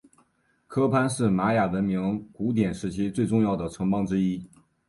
科潘是玛雅文明古典时期最重要的城邦之一。